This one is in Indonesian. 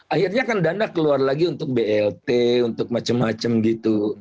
akhirnya kan dana keluar lagi untuk blt untuk macam macam gitu